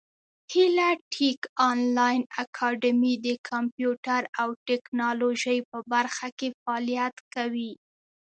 هیله ټېک انلاین اکاډمي د کامپیوټر او ټبکنالوژۍ په برخه کې فعالیت کوي.